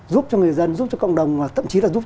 giúp cho người dân giúp cho cộng đồng thậm chí là giúp